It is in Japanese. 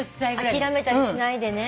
諦めたりしないでね。